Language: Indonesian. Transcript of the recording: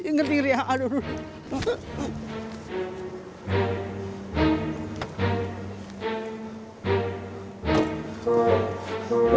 ngerti ria aduh dulu